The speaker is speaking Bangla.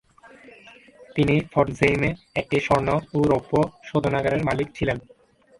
তিনি ফরঝেইমে একটি স্বর্ণ ও রৌপ্য শোধনাগারের মালিক ছিলেন।